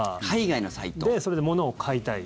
それで物を買いたい。